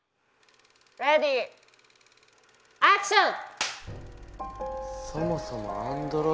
レディーアクション！